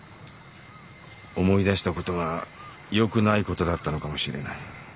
思い出したことがよくないことだったのかもしれない。